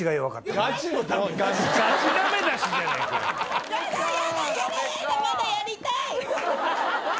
まだやりたい！